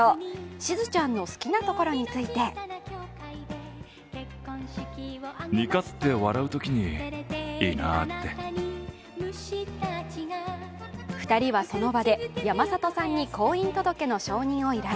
しずちゃんの好きなところについて２人はその場で山里さんに婚姻届の証人を依頼。